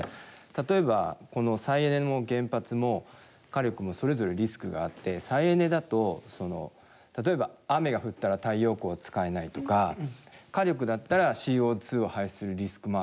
例えばこの再エネも原発も火力もそれぞれリスクがあって再エネだと例えば雨が降ったら太陽光使えないとか火力だったらＣＯを排出するリスクもあるし